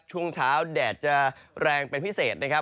ช่วงเช้าแดดจะแรงเป็นพิเศษนะครับ